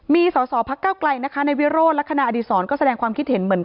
มีสอบพักเก้าไกลในวิโร่และคณะอดีตสอนก็แสดงความคิดเห็นเหมือนกัน